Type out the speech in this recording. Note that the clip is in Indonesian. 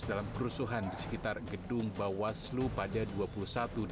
dalam kerusuhan di sekitar gedung bawaslu pada dua puluh satu dua puluh dua mei